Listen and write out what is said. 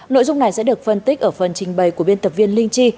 nội dung này sẽ được phân tích ở phần trình bày của biên tập viên linh chi